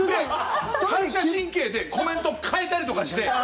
反射神経でコメントを変えたりとかして。